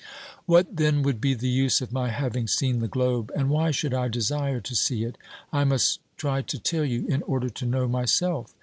What then would be the use of my having seen the globe, and why should I desire to see it ? I must try to tell you in order to know myself.